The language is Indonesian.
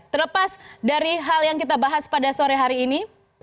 terlepas dari hal yang kita bahas pada sore hari ini